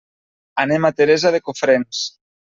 Anem a Teresa de Cofrents.